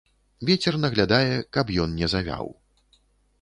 Вецер наглядае, каб ён не завяў.